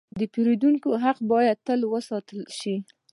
د پیرودونکو حق باید تل وساتل شي.